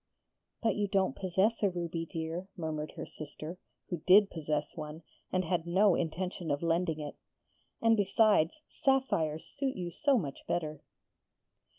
'But you don't possess a ruby, dear,' murmured her sister, who did possess one, and had no intention of lending it. 'And, besides, sapphires suit you so much better!'